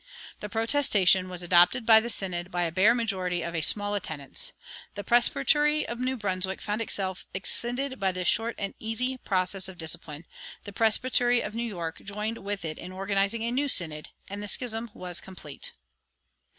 The protestation was adopted by the synod by a bare majority of a small attendance. The presbytery of New Brunswick found itself exscinded by this short and easy process of discipline; the presbytery of New York joined with it in organizing a new synod, and the schism was complete.